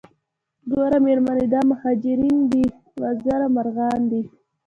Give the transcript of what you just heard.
ګوره میرمنې دا مهاجرین بې وزره مرغان دي.